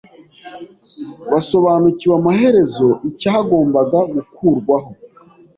basobanukiwe amaherezo icyagombaga gukurwaho.